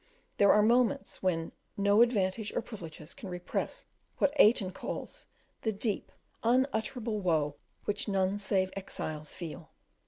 There are moments when no advantages or privileges can repress what Aytoun calls "the deep, unutterable woe which none save exiles feel."